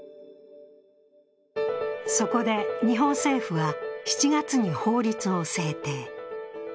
そこで日本政府は、７月に法律を制定。